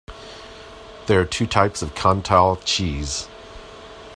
There are two types of Cantal cheese.